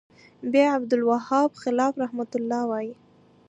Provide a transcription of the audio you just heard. ب : عبدالوهاب خلاف رحمه الله وایی